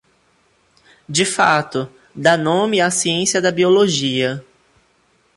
De fato, dá nome à ciência da biologia.